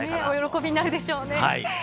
お喜びになるでしょうね。